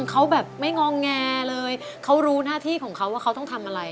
เขาแบบไม่งอแงเลยเขารู้หน้าที่ของเขาว่าเขาต้องทำอะไร